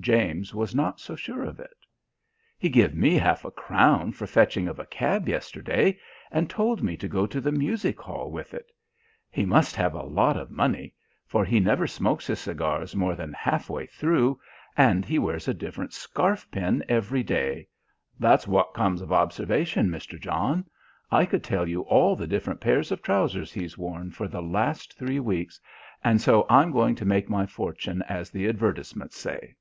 James was not so sure of it. "He give me half a crown for fetching of a cab yesterday, and told me to go to the music hall with it. He must have a lot of money, for he never smokes his cigars more than half way through, and he wears a different scarf pin every day. That's wot comes of observation, Mr. John. I could tell you all the different pairs of trousers he's worn for the last three weeks, and so I'm going to make my fortune as the advertisements say."